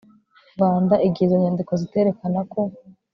Rwanda igihe izo nyandiko ziterekanako